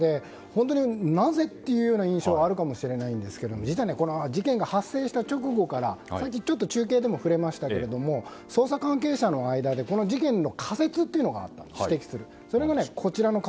本当に、なぜという印象はあるかもしれないんですけど実は、事件が発生した直後からさっき中継でも触れましたけれども捜査関係者の間でこの事件で、指摘する仮説というのがあったんです。